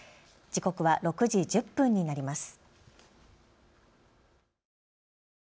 時刻は６時１０分になります。